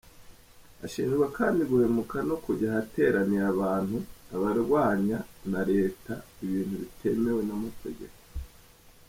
Ashinjwa kandi guhemuka no kujya ahateraniye abantu abarwanya na Leta ibintu bitemewe n’amategeko.